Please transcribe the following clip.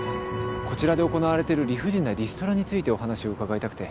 こちらで行なわれてる理不尽なリストラについてお話を伺いたくて。